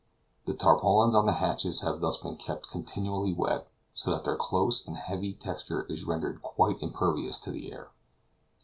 The tarpaulins on the hatches have thus been kept continually wet, so that their close and heavy texture is rendered quite impervious to the air.